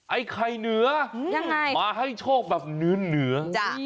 ไอ้ไข่เหนือยังไงมาให้โชคแบบเหนือ